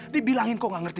dibilangin kok gak ngerti